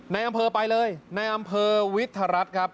ในอำเภอไปเลยในอำเภอวิทรัฐครับ